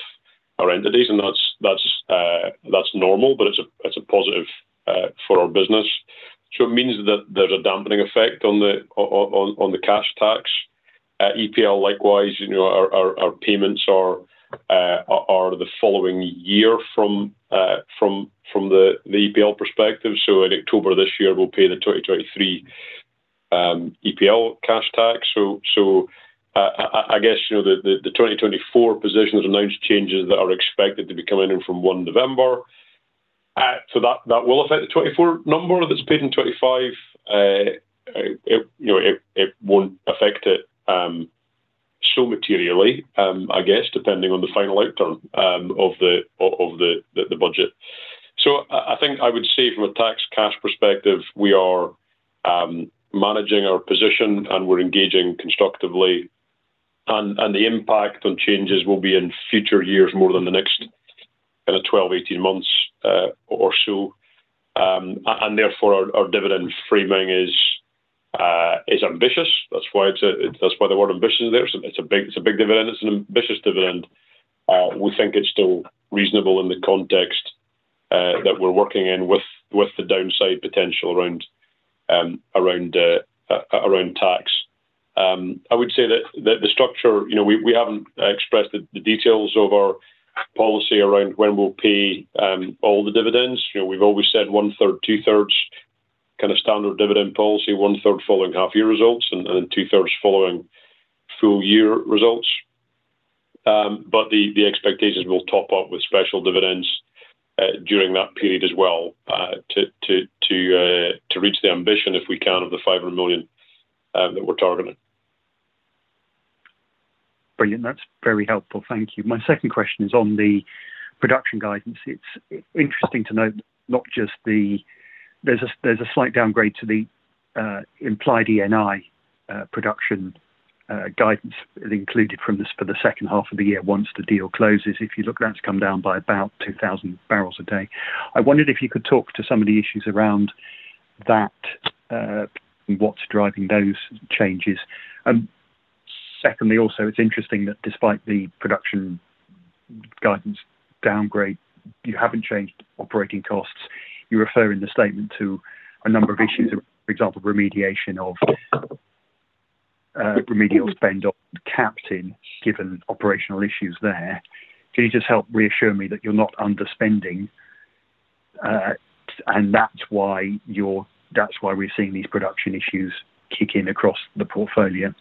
our entities, and that's normal, but it's a positive for our business. So it means that there's a dampening effect on the cash tax. EPL, likewise, you know, our payments are the following year from the EPL perspective. So in October this year, we'll pay the 2023 EPL cash tax. So I guess, you know, the 2024 positions announced changes that are expected to be coming in from November 1st. So that will affect the 2024 number that's paid in 2025. You know, it won't affect it so materially, I guess, depending on the final outturn of the budget. So I think I would say from a tax cash perspective, we are managing our position, and we're engaging constructively, and the impact on changes will be in future years more than the next kind of 12-18 months or so, and therefore, our dividend framing is ambitious. That's why it's ambitious. That's why the word ambitious is there. So it's a big dividend. It's an ambitious dividend. We think it's still reasonable in the context that we're working in with the downside potential around tax. I would say that the structure, you know, we haven't expressed the details of our policy around when we'll pay all the dividends. You know, we've always said one-third, two-third, kind of, standard dividend policy, one-third following half-year results, and then two-thirds following full-year results. But the expectations will top up with special dividends during that period as well, to reach the ambition, if we can, of the 500 million that we're targeting. Brilliant. That's very helpful. Thank you. My second question is on the production guidance. It's interesting to note, not just the. There's a slight downgrade to the implied Eni production guidance included for the second half of the year once the deal closes. If you look, that's come down by about two thousand barrels a day. I wondered if you could talk to some of the issues around that, what's driving those changes? And secondly, also, it's interesting that despite the production guidance downgrade, you haven't changed operating costs. You refer in the statement to a number of issues, for example, remediation of remedial spend on Captain, given operational issues there. Can you just help reassure me that you're not underspending, and that's why you're that's why we're seeing these production issues kicking across the portfolio?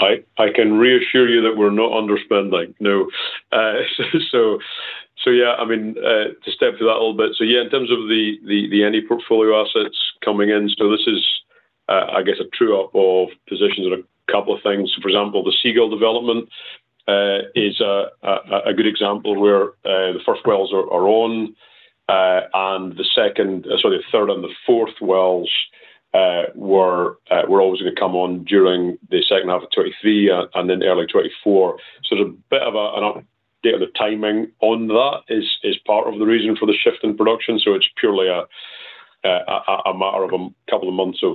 I can reassure you that we're not underspending, no. So, yeah, I mean, to step through that a little bit, so yeah, in terms of the Eni portfolio assets coming in, so this is, I guess, a true-up of positions on a couple of things. For example, the Seagull development is a good example where the first wells are on, and the second, sorry, the third and the fourth wells were always gonna come on during the second half of 2023, and then early 2024. So there's a bit of an update on the timing on that, is part of the reason for the shift in production. So it's purely a matter of a couple of months of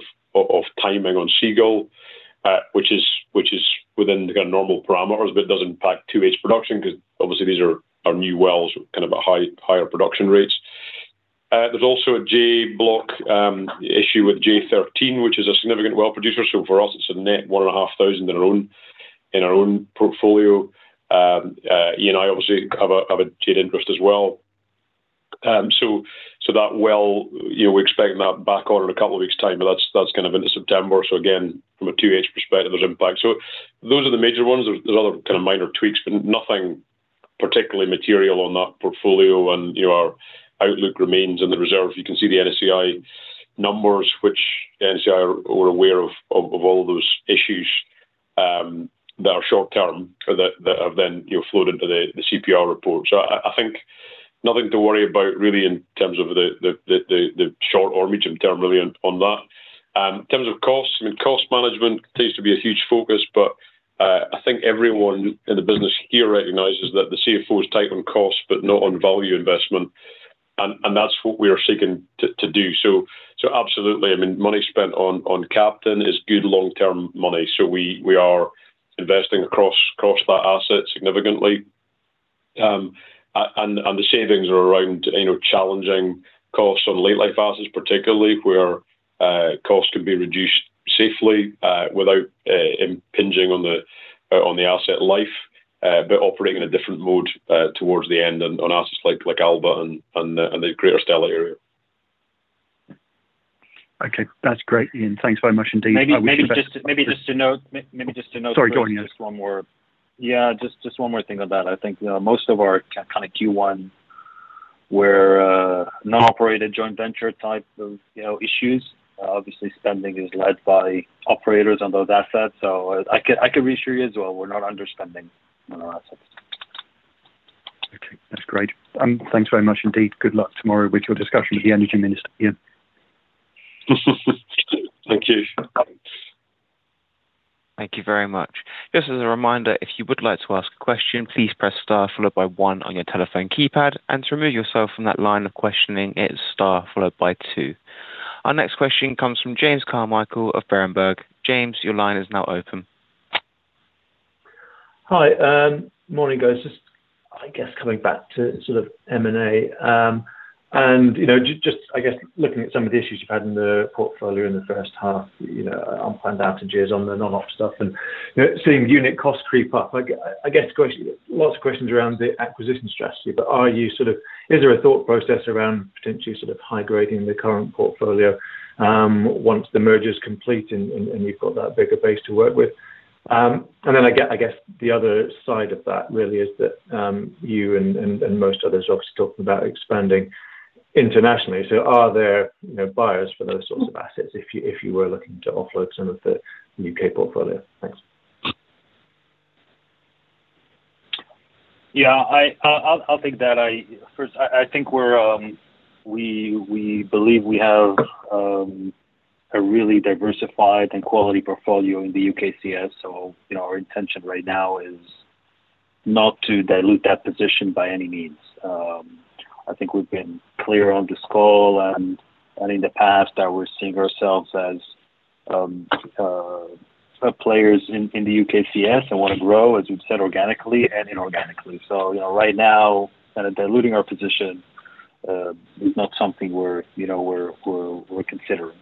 timing on Seagull, which is within the normal parameters, but it does impact two-stage production, because obviously these are our new wells, kind of, higher production rates. There's also a J-Block issue with J-13, which is a significant well producer, so for us, it's a net 1,500 in our own portfolio. Eni obviously have a shared interest as well. So that well, you know, we're expecting that back on in a couple of weeks' time, but that's kind of into September. So again, from a two-stage perspective, there's impact. So those are the major ones. There are other, kind of, minor tweaks, but nothing particularly material on that portfolio, and, you know, our outlook remains in the reserve. You can see the NSAI numbers, which we're aware of, of all those issues, that are short term, but that have then, you know, flowed into the CPR report. So I think nothing to worry about really in terms of the short or medium term really on that. In terms of costs, I mean, cost management continues to be a huge focus, but I think everyone in the business here recognizes that the CFO is tight on cost, but not on value investment, and that's what we are seeking to do. So absolutely, I mean, money spent on Captain is good long-term money, so we are investing across that asset significantly, and the savings are around, you know, challenging costs on late life assets, particularly where costs could be reduced safely without impinging on the asset life, but operating in a different mode towards the end on assets like Alba and the Greater Stella Area. Okay. That's great, Iain. Thanks very much indeed. Maybe maybe just to Maybe just to note Maybe just to note Sorry, go on, yeah. Just one more. Yeah, just one more thing on that. I think, you know, most of our kind of Q1 were non-operated joint venture types of, you know, issues. Obviously, spending is led by operators on those assets, so I can reassure you as well, we're not underspending on our assets. Okay, that's great. Thanks very much indeed. Good luck tomorrow with your discussion with the Energy Minister, Iain. Thank you. ... Thank you very much. Just as a reminder, if you would like to ask a question, please press star followed by one on your telephone keypad, and to remove yourself from that line of questioning, it's star followed by two. Our next question comes from James Carmichael of Berenberg. James, your line is now open. Hi, morning, guys. Just I guess coming back to sort of M&A, and, you know, just, I guess, looking at some of the issues you've had in the portfolio in the first half, you know, unplanned outages on the non-op stuff and, you know, seeing the unit costs creep up. I guess. Question: lots of questions around the acquisition strategy, but is there a thought process around potentially sort of high-grading the current portfolio once the merger is complete and you've got that bigger base to work with? And then, I guess, the other side of that really is that you and most others are obviously talking about expanding internationally. Are there, you know, buyers for those sorts of assets if you were looking to offload some of the U.K. portfolio? Thanks. Yeah, I'll take that. First, I think we believe we have a really diversified and quality portfolio in the UKCS. So, you know, our intention right now is not to dilute that position by any means. I think we've been clear on this call and in the past that we're seeing ourselves as players in the UKCS and wanna grow, as we've said, organically and inorganically. So, you know, right now, kind of diluting our position is not something we're, you know, we're we're considering.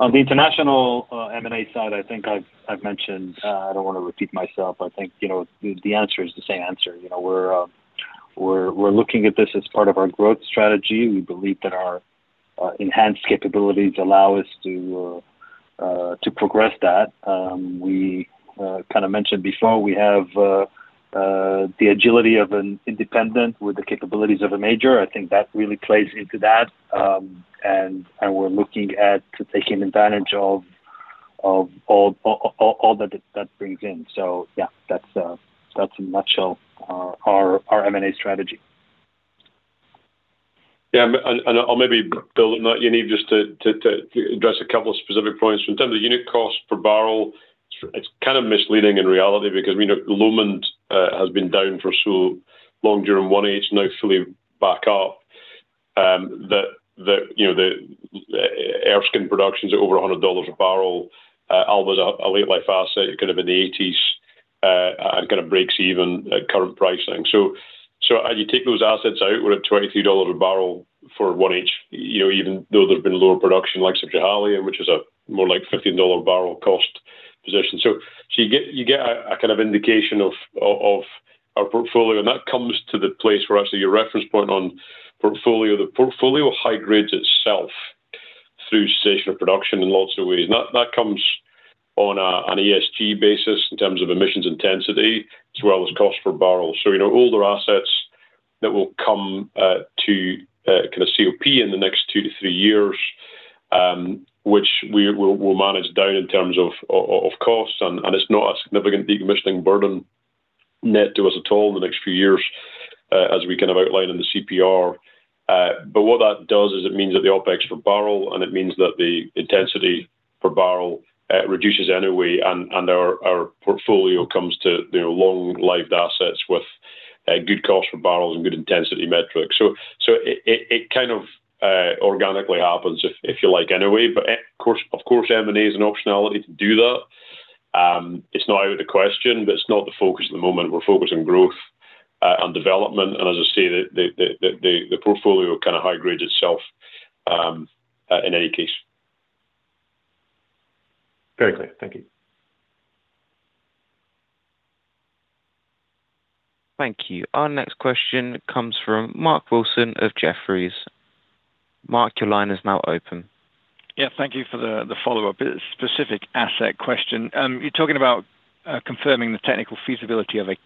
On the international M&A side, I think I've mentioned I don't want to repeat myself. I think, you know, the answer is the same answer. You know, we're we're looking at this as part of our growth strategy. We believe that our enhanced capabilities allow us to progress that. We kind of mentioned before, we have the agility of an independent with the capabilities of a major. I think that really plays into that, and we're looking at taking advantage of all that that brings in. So yeah, that's in a nutshell our M&A strategy. Yeah, and I'll maybe, Bill, and Yaniv, just to address a couple of specific points. In terms of unit cost per barrel, it's kind of misleading in reality, because we know Lomond has been down for so long during 1H, now fully back up. You know, the Erskine productions are over $100 a barrel. Alba's a late life asset. It could have been $80s, and kind of breaks even at current pricing. So as you take those assets out, we're at $23 a barrel for 1H, you know, even though there's been lower production, likes of Schiehallion, which is a more like $15 a barrel cost position. So you get a kind of indication of our portfolio, and that comes to the place where actually your reference point on portfolio. The portfolio high grades itself through acquisition of production in lots of ways, and that comes on an ESG basis in terms of emissions intensity as well as cost per barrel. You know, older assets that will come to kind of COP in the next two-to-three years, which we will manage down in terms of costs, and it's not a significant decommissioning burden net to us at all in the next few years, as we kind of outlined in the CPR. But what that does is it means that the OpEx per barrel, and it means that the intensity per barrel, reduces anyway, and our portfolio comes to, you know, long-lived assets with good cost per barrels and good intensity metrics. So it kind of organically happens, if you like, anyway, but of course M&A is an optionality to do that. It's not out of the question, but it's not the focus at the moment. We're focused on growth and development, and as I say, the portfolio kind of high grade itself in any case. Very clear. Thank you. Thank you. Our next question comes from Mark Wilson of Jefferies. Mark, your line is now open. Yeah, thank you for the follow-up. It's a specific asset question. You're talking about confirming the technical feasibility of the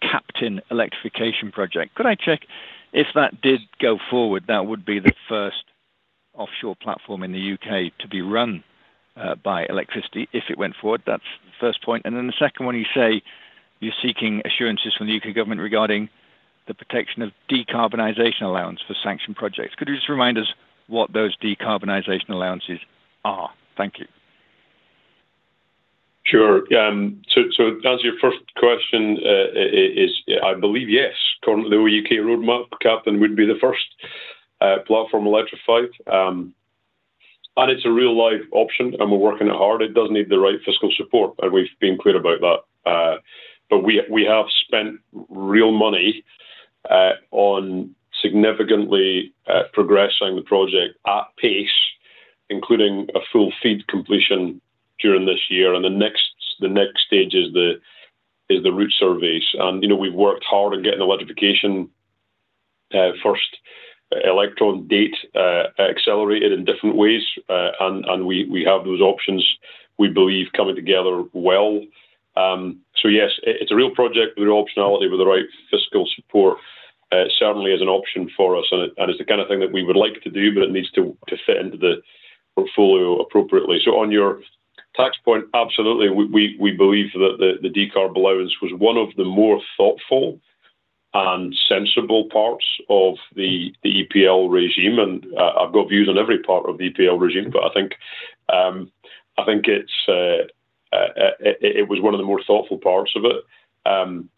Captain Electrification project. Could I check if that did go forward, that would be the first offshore platform in the U.K. to be run by electricity if it went forward? That's the first point. And then the second one, you say you're seeking assurances from the UK government regarding the protection of decarbonization allowance for sanctioned projects. Could you just remind us what those decarbonization allowances are? Thank you. Sure. So as your first question, is, I believe, yes. Currently, the U.K. roadmap, Captain would be the first platform electrified. And it's a real live option, and we're working it hard. It does need the right fiscal support, and we've been clear about that. But we have spent real money on significantly progressing the project at pace, including a full FEED completion during this year. And the next stage is the route surveys. And, you know, we've worked hard on getting the electrification first electron date accelerated in different ways, and we have those options, we believe, coming together well. So yes, it's a real project with optionality, with the right fiscal support, certainly is an option for us, and it's the kind of thing that we would like to do, but it needs to fit into the portfolio appropriately. So on your tax point, absolutely, we believe that the decarb allowance was one of the more thoughtful and sensible parts of the EPL regime, and I've got views on every part of the EPL regime, but I think I think it's was one of the more thoughtful parts of it.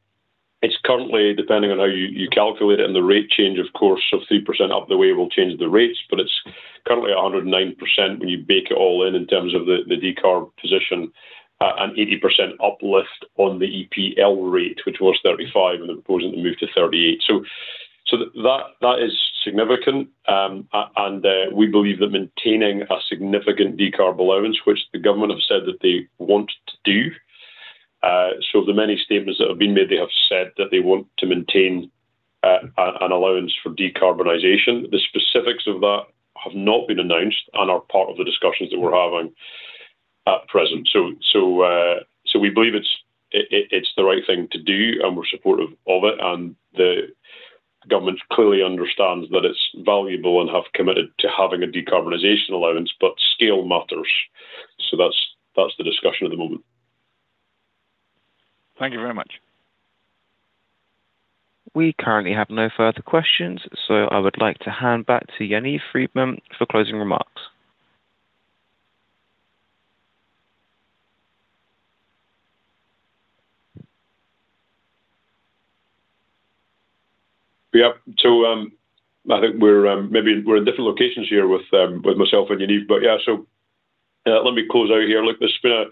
It's currently, depending on how you calculate it, and the rate change, of course, of 3% up the way will change the rates, but it's currently 109% when you bake it all in, in terms of the decarb position, and 80% uplift on the EPL rate, which was 35%, and they're proposing to move to 38%. So that is significant, and we believe that maintaining a significant decarb allowance, which the government have said that they want to do. So the many statements that have been made, they have said that they want to maintain an allowance for decarbonization. The specifics of that have not been announced and are part of the discussions that we're having at present. So we believe it's the right thing to do, and we're supportive of it, and the government clearly understands that it's valuable and have committed to having a decarbonization allowance, but scale matters. So that's the discussion at the moment. Thank you very much. We currently have no further questions, so I would like to hand back to Yaniv Friedman for closing remarks. Yep. So, I think we're maybe in different locations here with myself and Yaniv, but yeah, so, let me close out here. Look, there's been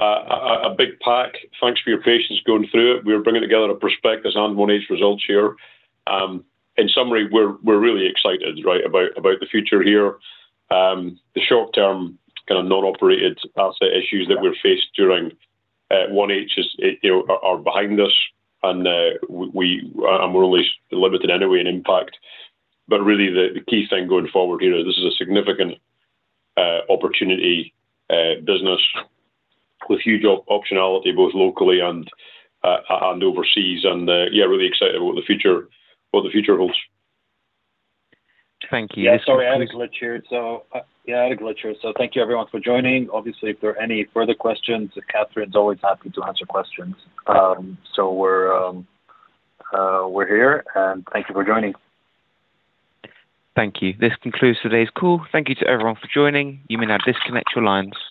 a big pack. Thanks for your patience going through it. We're bringing together a prospectus and 1H results here. In summary, we're really excited, right, about the future here. The short-term kind of non-operated asset issues that we're faced during 1H is, you know, are behind us, and we're only limited anyway in impact. But really, the key thing going forward here is this is a significant opportunity business with huge optionality, both locally and overseas, and yeah, really excited about with the future what the future holds. Thank you. Yeah, sorry, I had a glitch here. So yeah I had a glitch here so thank you, everyone, for joining. Obviously, if there are any further questions, Catherine's always happy to answer questions. So we're, we're here, and thank you for joining. Thank you. This concludes today's call. Thank you to everyone for joining. You may now disconnect your lines.